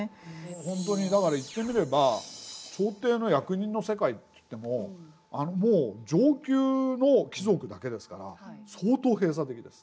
本当にだから言ってみれば朝廷の役人の世界っていってももう上級の貴族だけですから相当閉鎖的です。